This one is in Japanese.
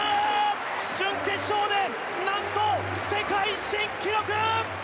準決勝で何と世界新記録！